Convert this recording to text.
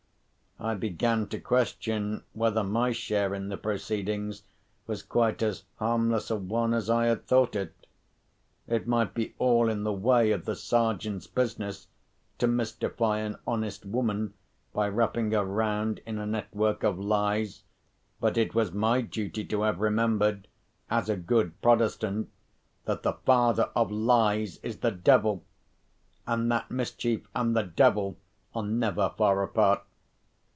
I began to question whether my share in the proceedings was quite as harmless a one as I had thought it. It might be all in the way of the Sergeant's business to mystify an honest woman by wrapping her round in a network of lies but it was my duty to have remembered, as a good Protestant, that the father of lies is the Devil—and that mischief and the Devil are never far apart.